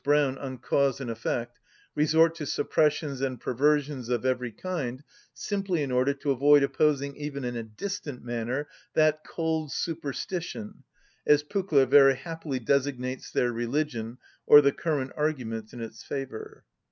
Brown, "On Cause and Effect") resort to suppressions and perversions of every kind simply in order to avoid opposing even in a distant manner that "cold superstition" (as Pückler very happily designates their religion, or the current arguments in its favour).